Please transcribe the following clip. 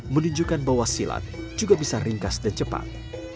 menunjukkan bahwa silat juga bisa ringkas dan cepat